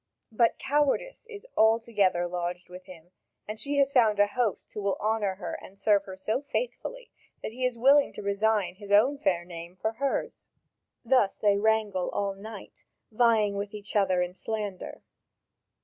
But cowardice is altogether lodged with him, and she has found a host who will honour her and serve her so faithfully that he is willing to resign his own fair name for hers." Thus they wrangle all night, vying with each other in slander.